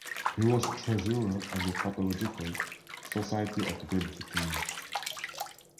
He was treasurer of the Pathological Society of Great Britain.